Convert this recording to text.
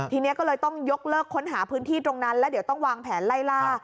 ทีนี้ก็เลยต้องยกเลิกค้นหาพื้นที่ตรงนั้นแล้วเดี๋ยวต้องวางแผนไล่ล่า